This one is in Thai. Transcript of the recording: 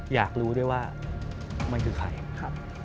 อยากรู้ด้วยว่ามันคือใครครับ